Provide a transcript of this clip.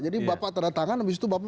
jadi bapak terdatangan